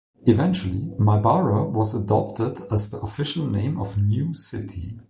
Eventually Maibara was adopted as the official name of new city.